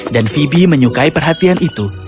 dan phoebe menyukai perhatian itu